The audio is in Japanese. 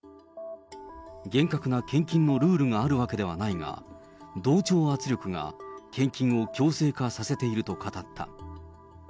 厳格な献金のルールがあるわけではないが、同調圧力が献金を強制化させていると語った。